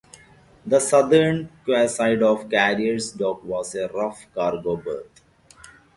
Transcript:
The southern quayside of Carriers' Dock was a rough cargo berth.